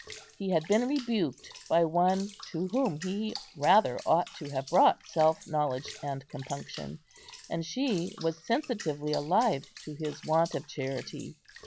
He had been rebuked by one to whom he rather ought to have brought self knowledge and compunction, and she was sensitively alive to his want of charity.